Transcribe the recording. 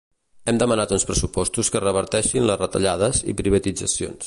Hem demanat uns pressupostos que reverteixin les retallades i privatitzacions.